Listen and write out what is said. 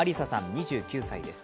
２９歳です。